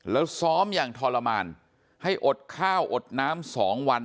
แล้วซ้อมอย่างทรมานให้อดข้าวอดน้ำ๒วัน